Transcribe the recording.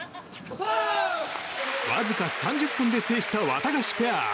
わずか３０分で制したワタガシペア。